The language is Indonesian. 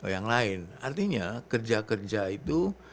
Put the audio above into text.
yang lain artinya kerja kerja itu